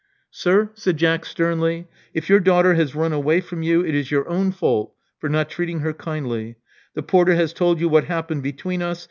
Sir," said Jack sternly: if your daughter has run away from you, it is your own fault for not treating her kindly. The porter has told you what happened between us.